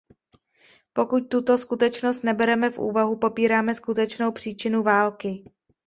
Pokud tuto skutečnost nebereme v úvahu, popíráme skutečnou příčinu války.